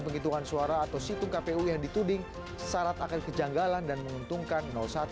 penghitungan suara atau situng kpu yang dituding syarat akan kejanggalan dan menguntungkan satu